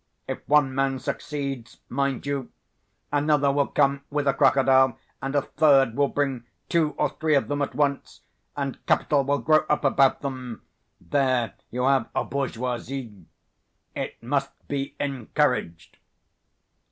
If one man succeeds, mind you, another will come with a crocodile, and a third will bring two or three of them at once, and capital will grow up about them there you have a bourgeoisie. It must be encouraged."